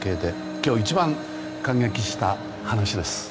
今日、一番感激した話です。